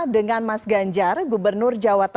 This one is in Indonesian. dengan mas ganjar gubernur jawa tengah